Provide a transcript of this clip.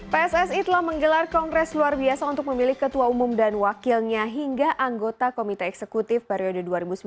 pssi telah menggelar kongres luar biasa untuk memilih ketua umum dan wakilnya hingga anggota komite eksekutif periode dua ribu sembilan belas dua ribu dua puluh